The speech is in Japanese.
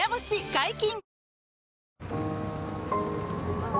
解禁‼